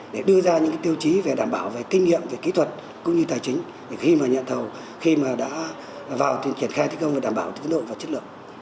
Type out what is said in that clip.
để đưa ra những tiêu chí về đảm bảo về kinh nghiệm về kỹ thuật cũng như tài chính khi mà nhận thầu khi mà đã vào triển khai thi công và đảm bảo tiến độ và chất lượng